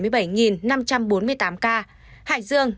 số bệnh nhân khỏi bệnh